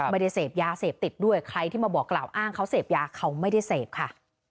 ไม่ได้เสพยาเสพติดด้วยใครที่มาบอกกล่าวอ้างเขาเสพยาเขาไม่ได้เสพค่ะ